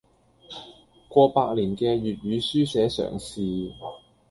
過百年嘅粵語書寫嘗試